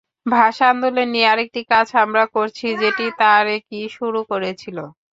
ভাষা আন্দোলন নিয়ে আরেকটি কাজ আমরা করছি, যেটি তারেকই শুরু করেছিল।